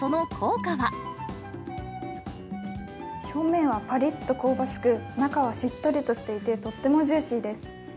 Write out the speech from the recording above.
表面はぱりっと香ばしく、中はしっとりとしていて、とってもジューシーです。